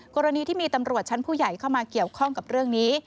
กรณีที่มีตำรวจชั้นผู้ใหญ่เข้ามาเกี่ยวข้องกับเรื่องนี้